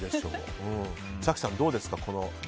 早紀さん、どうですか。